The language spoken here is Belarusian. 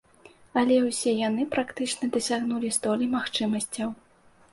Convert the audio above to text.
Але ўсе яны практычна дасягнулі столі магчымасцяў.